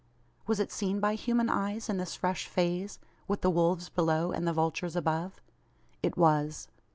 Was it seen by human eyes in this fresh phase with the wolves below, and the vultures above? It was.